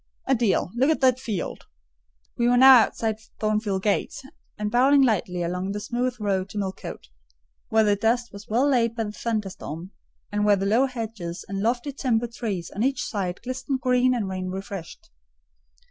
"Adèle, look at that field." We were now outside Thornfield gates, and bowling lightly along the smooth road to Millcote, where the dust was well laid by the thunderstorm, and, where the low hedges and lofty timber trees on each side glistened green and rain refreshed.